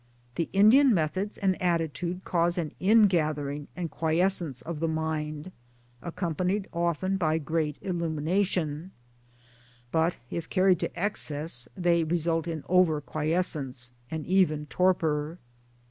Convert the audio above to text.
The Indian methods and attitude cause an ingathering, and quiescence of the mind, accompanied often by great illumination ; but if carried to excess they result in over quiescence, and even torpor.